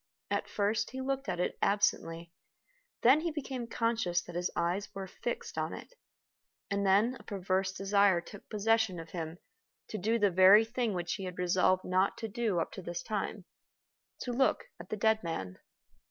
At first he looked at it absently; then he became conscious that his eyes were fixed on it; and then a perverse desire took possession of him to do the very thing which he had resolved not to do up to this time to look at the dead man.